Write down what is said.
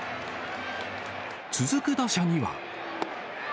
続く打者には。